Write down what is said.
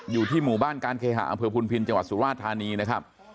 อยู่ที่หมู่บ้านการเคหะอำเภอพุนพินจังหวัดสุราชธานีนะครับ